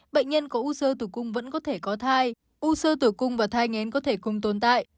bệnh nhân có u sơ tử cung vẫn có thể có thai u sơ tử cung và thai ngén có thể cùng tồn tại